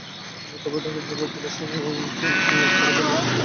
তবে ঢাকা জেলা কোটায় সর্বাধিকসংখ্যক নিয়োগ হবে বলে আগ্রহী প্রার্থীদের ভিড় বেশি।